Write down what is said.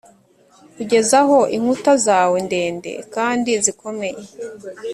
kugeza aho inkuta zawe ndende kandi zikomeye